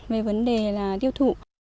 về vấn đề là tiêu thụ